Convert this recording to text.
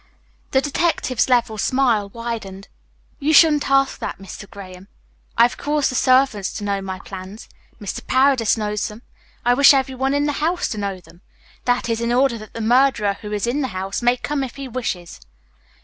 The detective's level smile widened. "You shouldn't ask that, Mr. Graham. I've caused the servants to know my plans. Mr. Paredes knows them. I wish every one in the house to know them. That is in order that the murderer, who is in the house, may come if he wishes."